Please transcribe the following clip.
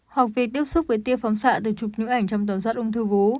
hoặc việc tiếp xúc với tiêu phóng xạ từ chụp những ảnh trong tầm soát ông thư vú